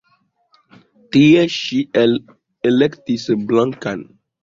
Tie ŝi elektis Blankan.